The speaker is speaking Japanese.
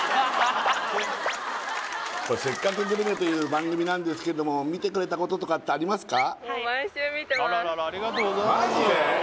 これ「せっかくグルメ」という番組なんですけどもみてくれたこととかってありますか？